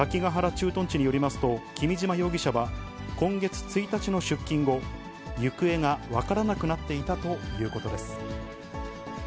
駐屯地によりますと、君島容疑者は今月１日の出勤後、行方が分からなくなっていたということです。